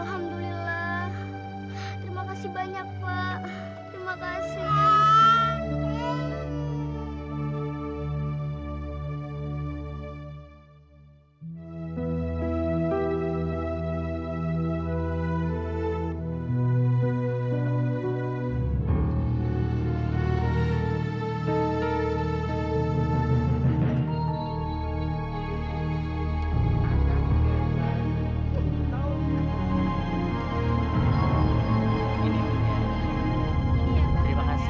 alhamdulillah terima kasih banyak pak terima kasih